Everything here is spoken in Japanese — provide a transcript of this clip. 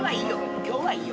今日はいいよ。